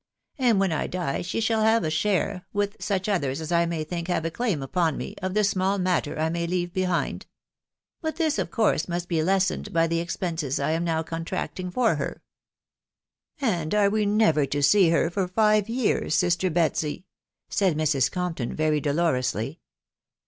and when I die she shall have a share, with such others as I may think have a claim upon me, of the small matter I may leave "behind. But this of course must be lessened by the expenses I am now contracting for her." " And are we never to see her for five years, sister Betsy ?" tsaid Mrs. Corapton very dolorously.